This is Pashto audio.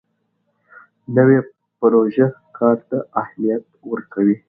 نوې پروژه کار ته اهمیت ورکوي